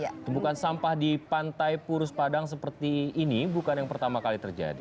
ya tumpukan sampah di pantai purus padang seperti ini bukan yang pertama kali terjadi